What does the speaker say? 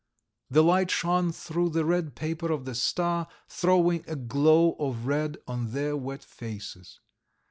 The light shone through the red paper of the star, throwing a glow of red on their wet faces.